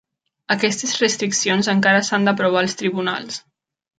Aquestes restriccions encara s'han d'aprovar als tribunals.